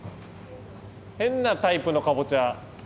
変なタイプのかぼちゃ。